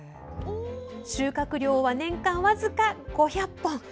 収穫量は年間僅か５００本。